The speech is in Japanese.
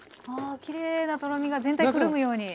きれいなとろみが全体くるむように。